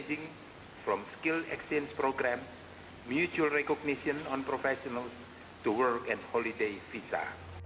dari program penggunaan kemahiran pengenalan kemahiran profesional ke kerja dan visa